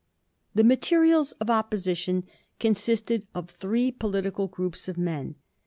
The materials of opposition consisted of three political groups of men.